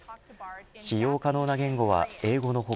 使用可能な言語は英語の他